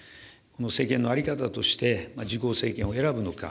政権の在り方として、自公政権を選ぶのか。